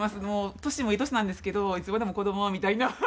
もう年もいい年なんですけどいつまでも子どもみたいな。